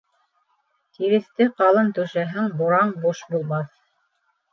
Тиреҫте ҡалын түшәһәң, бураң буш булмаҫ.